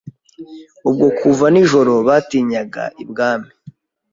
Ubwo kugenda nijoro batinyaga ibwami.